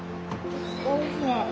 おいしい。